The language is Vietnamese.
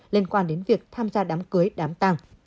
liên quan đến việc tham gia đám cưới đám tàng